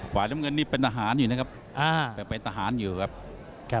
ฝ่ายน้ำเงินนี่เป็นทหารอยู่นะครับอ่าแต่เป็นทหารอยู่ครับ